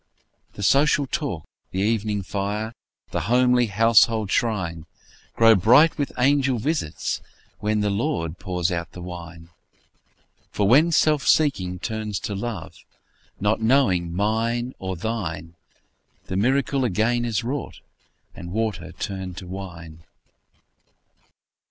The social talk, the evening fire, The homely household shrine, Grow bright with angel visits, when The Lord pours out the wine. For when self seeking turns to love, Not knowing mine nor thine, The miracle again is wrought, And water turned to wine.